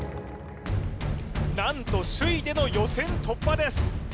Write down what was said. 何と首位での予選突破です